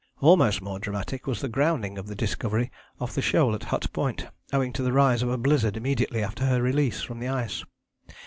" Almost more dramatic was the grounding of the Discovery off the shoal at Hut Point owing to the rise of a blizzard immediately after her release from the ice.